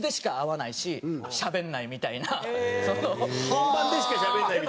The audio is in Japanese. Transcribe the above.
本番でしかしゃべらないみたいな。